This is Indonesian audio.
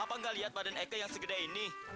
apa nggak lihat badan eke yang segede ini